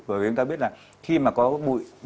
bởi vì chúng ta biết là khi mà có bụi